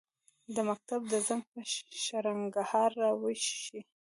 د مکتب د زنګ، په شرنګهار راویښ شي